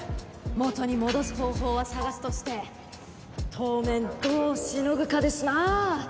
元に戻す方法は探すとして当面どうしのぐかですなあ。